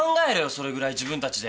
それぐらい自分たちで。